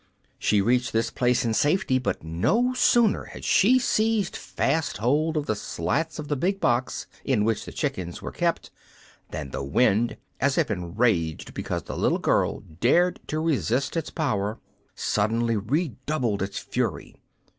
She reached this place in safety, but no sooner had she seized fast hold of the slats of the big box in which the chickens were kept than the wind, as if enraged because the little girl dared to resist its power, suddenly redoubled its fury.